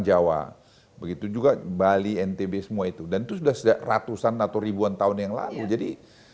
jawa begitu juga bali ntb semua itu dan itu sudah ratusan atau ribuan tahun yang lalu jadi